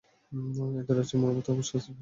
এতে রয়েছে মর্মন্তুদ শাস্তিবাহী এক ঝড়।